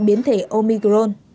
biến thể omicron